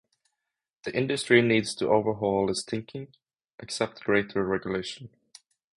The industry needs to overhaul its thinking, accept greater regulation.